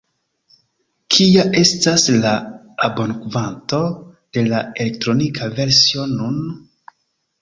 Kia estas la abonkvanto de la elektronika versio nun?